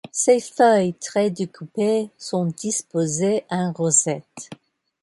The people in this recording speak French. Ses feuilles, très découpées, sont disposées en rosette.